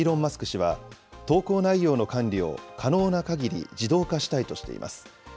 氏は、投稿内容の管理を可能なかぎり自動化したいとしています。